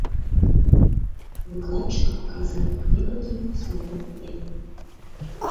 Выкладчык паказвае на некалькі асноўных праблем.